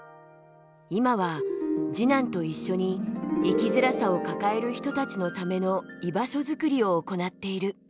今は次男と一緒に生きづらさを抱える人たちのための居場所づくりを行っている。